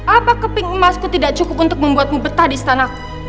apa keping emasku tidak cukup untuk membuatmu betah di istanaku